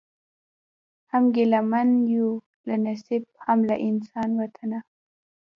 هم ګیله من یو له نصیب هم له انسان وطنه